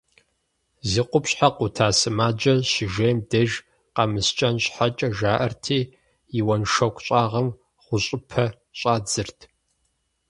Зи къупщхьэ къута сымаджэр щыжейм деж, къэмыскӏэн щхьэкӏэ жаӏэрти, и уэншоку щӏагъым гъущӏыпэ щӏадзырт.